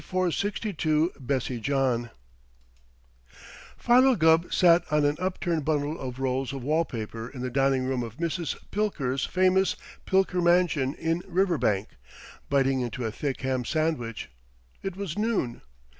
DIETZ'S 7462 BESSIE JOHN Philo Gubb sat on an upturned bundle of rolls of wall paper in the dining room of Mrs. Pilker's famous Pilker mansion, in Riverbank, biting into a thick ham sandwich. It was noon.